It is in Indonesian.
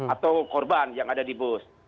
atau korban yang ada di bus